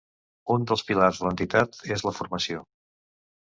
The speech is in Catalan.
Un dels pilars de l'entitat és la formació.